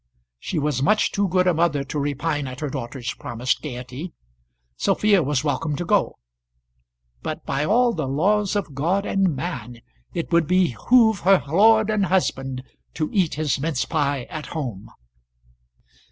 She was much too good a mother to repine at her daughter's promised gaiety. Sophia was welcome to go; but by all the laws of God and man it would behove her lord and husband to eat his mincepie at home.